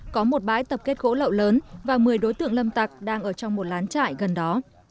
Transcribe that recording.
có một bãi tập kết gỗ lậu lớn và một mươi đối tượng lâm tặc đang ở trong một lán trại gần đó